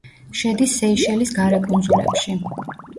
შედის სეიშელის გარე კუნძულებში.